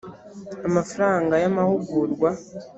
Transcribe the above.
amafaranga y amahugurwa